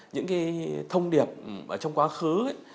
những thông điệp trong quá khứ